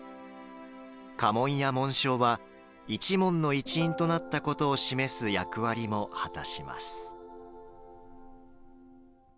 家紋や紋章は一門の一員となったことを示す役割も果たします。